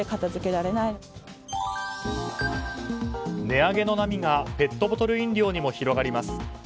値上げの波がペットボトル飲料にも広がります。